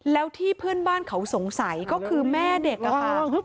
แล้วที่เพื่อนบ้านเขาสงสัยก็คือแม่เด็กอะค่ะ